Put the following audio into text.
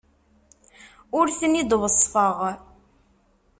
Ur ten-id-weṣṣfeɣ.